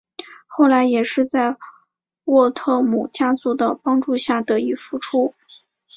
后来也是在沃特姆家族的帮助下得以复出。